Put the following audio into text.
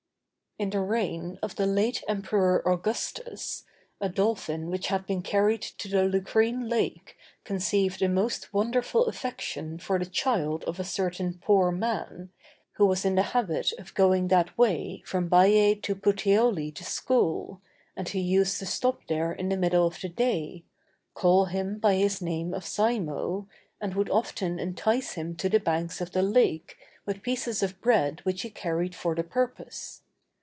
In the reign of the late Emperor Augustus, a dolphin which had been carried to the Lucrine Lake conceived a most wonderful affection for the child of a certain poor man, who was in the habit of going that way from Baiæ to Puteoli to school, and who used to stop there in the middle of the day, call him by his name of Simo, and would often entice him to the banks of the lake with pieces of bread which he carried for the purpose.